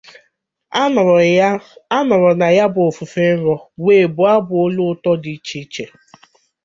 A nọrọ na ya bụ òfùfè nrò wee bụọ abụ olu ụtọ dị iche iche